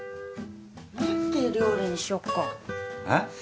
何て料理にしよっか。え！？